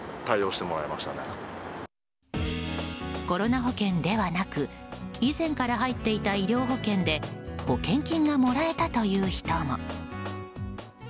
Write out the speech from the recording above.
コロナ保険ではなく以前から入っていた医療保険で保険金がもらえたという人も。